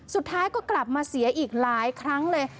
สุดท้ายก็กลับมาเสียอีกหลายครั้งเลย